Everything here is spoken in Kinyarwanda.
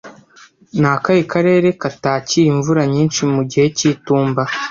Ni akahe karere katakira imvura nyinshi mu gihe cy'itumba